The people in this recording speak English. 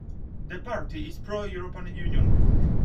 The party is pro-European Union.